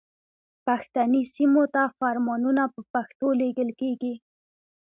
پښتني سیمو ته فرمانونه په پښتو لیږل کیږي.